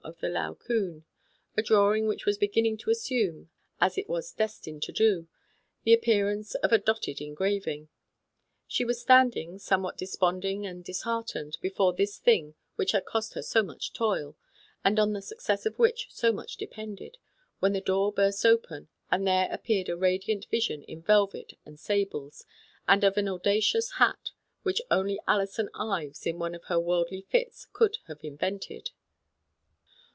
of the Laocoon, a drawing which was begin ning to assume, as it was destined to do, the appearance of a dotted engraving. She was standing, somewhat desponding and disheartened, before this thing which had cost her so much toil, and on the success of which so much depended, when the door burst open, and there appeared a radiant vision of velvet and sables, and of an audacious hat which only Alison Ives in one of her " worldly " fits could have invented.